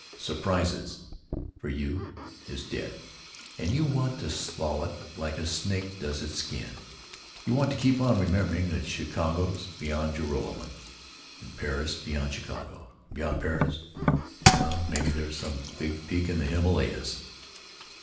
—surprises for you, is dead, and you want to slough it like a snake does its skin. You want to keep on remembering that Chicago's beyond Joralemon, and Paris beyond Chicago, and beyond Paris—well, maybe there's some big peak of the Himalayas."